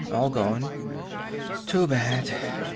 All gone." "Too bad."